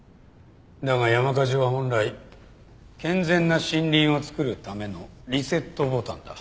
だが山火事は本来健全な森林を作るためのリセットボタンだ。